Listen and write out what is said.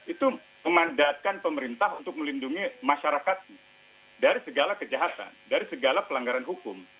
itu memandatkan pemerintah untuk melindungi masyarakat dari segala kejahatan dari segala pelanggaran hukum